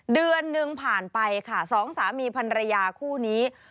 เดือนหนึ่งผ่านไปค่ะสองสามีพันรยาคู่นี้